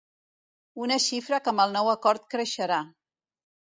Un xifra que amb el nou acord creixerà.